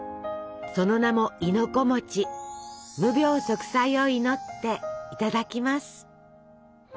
その名も無病息災を祈っていただきます。